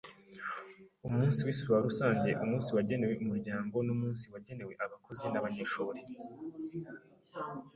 umunsi w isura rusange umunsi wagenewe umuryango n umunsi wagenewe abakozi n abanyeshuri